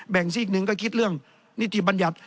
ซีกหนึ่งก็คิดเรื่องนิติบัญญัติ